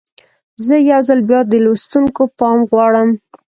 زه یو ځل بیا د لوستونکو پام غواړم.